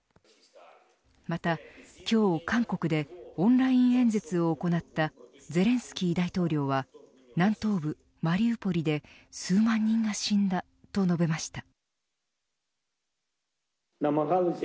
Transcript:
また今日韓国でオンライン演説を行ったゼレンスキー大統領は南東部マリウポリで数万人が死んだと述べました。